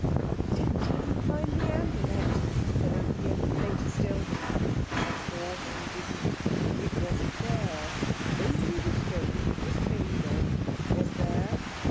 "We didn't even find the Amulet," said Anthea later still. "Of course you didn't; it wasn't there. Only the stone it was made of was there.